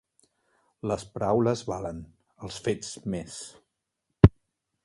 Les paraules valen; els fets més.